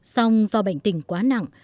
xong do bệnh tình quá nặng